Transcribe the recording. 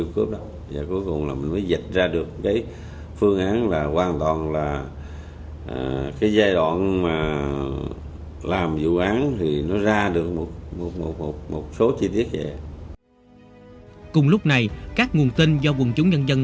cùng lúc này các nguồn tin do quân chúng nhân dân